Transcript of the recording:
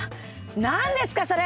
なんですかそれ！